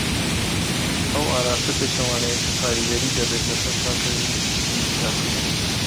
ئەو ئاراستە پێچەوانیە کە کاریگەری دەبێت لەسەر چاکردنی سیستەمی سیاسی.